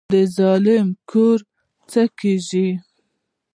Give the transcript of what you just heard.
د ظالم کور څه کیږي؟